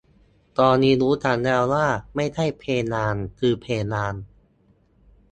ตอนนี้รู้กันแล้วว่าไม่ใช่ เพดานคือเพดาน